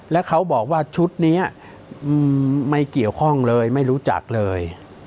แล้วเขาบอกว่าชุดนี้ไม่เกี่ยวข้องเลยไม่รู้จักเลย